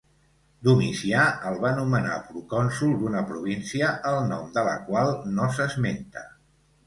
Domicià el va nomenar procònsol d'una província el nom de la qual no s'esmenta.